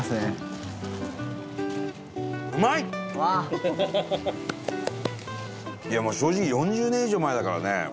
伊達：いや、正直４０年以上前だからね。